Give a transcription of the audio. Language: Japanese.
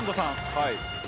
はい。